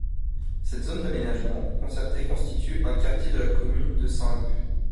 Cette zone d'aménagement concerté constitue un quartier de la commune de Saint-Leu.